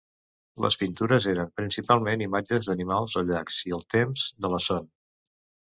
Les pintures eren principalment imatges d'animals o llacs, i el Temps de la son.